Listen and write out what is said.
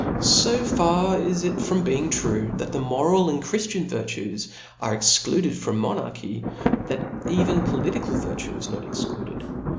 Safaris it from being true ^ that the moral and chrijlian virtues are excluded from monarchy j that even political virtue is not excluded.